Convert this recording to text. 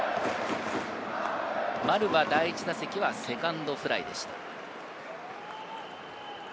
丸は第１打席はセカンドフライでした。